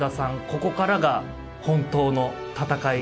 ここからが本当の戦い。